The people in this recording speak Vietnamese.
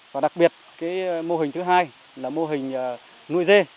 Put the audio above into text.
và đặc biệt cái mô hình thứ hai là mô hình nuôi dê